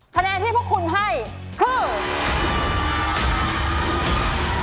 คะแนนที่พวกคุณให้คือ